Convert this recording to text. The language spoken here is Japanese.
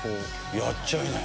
やっちゃいなよ。